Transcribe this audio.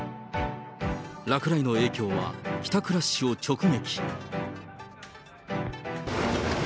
落雷の影響は帰宅ラッシュを直撃。